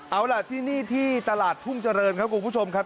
เอาล่ะที่นี่ที่ตลาดทุ่งเจริญครับคุณผู้ชมครับ